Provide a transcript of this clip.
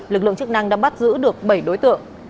lực lượng chức năng đã bắt giữ được bảy đối tượng